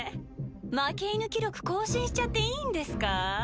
負け犬記録更新しちゃっていいんですかぁ？